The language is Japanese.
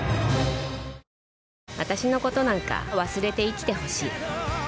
私のことなんか忘れて生きてほしい。